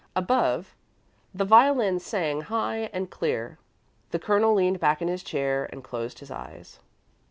Above, the violin sang high and clear. The Colonel leaned back in his chair and closed his eyes.